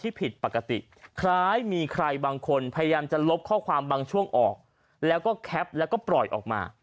ผิดปกติคล้ายมีใครบางคนพยายามจะลบข้อความบางช่วงออกแล้วก็แคปแล้วก็ปล่อยออกมา